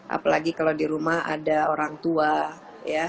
apalagi kalau di rumah ada orang tua ya